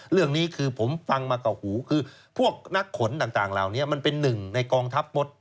เรื่องนี้คือผมฟังมากับหูคือพวกนักขนต่างเหล่านี้มันเป็นหนึ่งในกองทัพมด